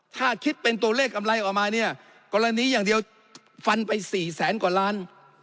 ถ้าคิดเป็นตัวเลขกำไรออกมาเนี่ยกรณีอย่างเดียวฟันไปสี่แสนกว่าล้าน